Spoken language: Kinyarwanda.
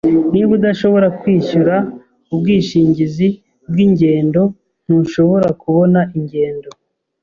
Niba udashobora kwishyura ubwishingizi bwingendo, ntushobora kubona ingendo.